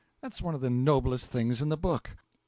That's one of the noblest things in the book. A.